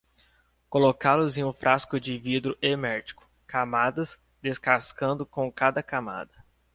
Colocá-los em um frasco de vidro hermético, camadas, descascando com cada camada.